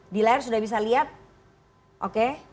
di layar sudah bisa lihat oke